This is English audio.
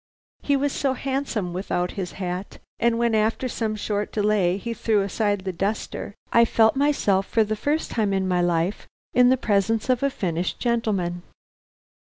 He was so handsome without his hat; and when after some short delay he threw aside the duster, I felt myself for the first time in my life in the presence of a finished gentleman.